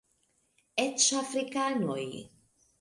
Eĉ afrikanoj!